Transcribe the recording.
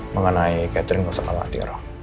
mengenai catherine nggak usah khawatir